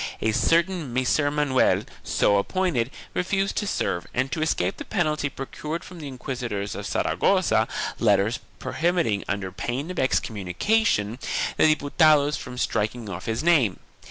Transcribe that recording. A certain Micer Manuel, so appointed, refused to serve and to escape the penalty procured from the inquisitors of Saragossa letters prohibiting, under pain of excommunication, the Diputados from striking off his name.